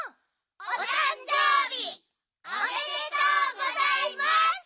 おたんじょうびおめでとうございます！